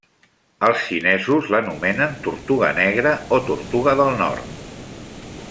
Els xinesos l'anomenen tortuga negra o tortuga del nord.